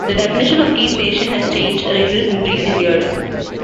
The definition of key station has changed a little in recent years.